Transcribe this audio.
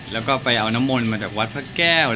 แล้วก็ไปเอาน้ำมนต์มาจากวัดพระแก้ว